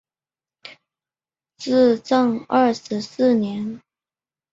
至正二十四年。